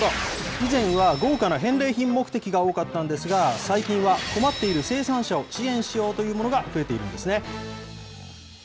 以前は豪華な返礼品目的が多かったんですが、最近は、困っている生産者を支援しようというものが増えているんですね。